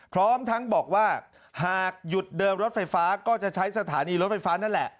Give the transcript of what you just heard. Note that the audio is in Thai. พร้อมทั้งบอกว่าหากหยุดเดิมรถไฟฟ้าก็จะใช้สถานีรถไฟฟ้านั่นแหละ